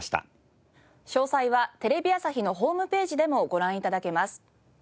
詳細はテレビ朝日のホームページでもご覧頂けます。